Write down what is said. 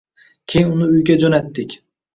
Keyin uni uyga jo‘nadik!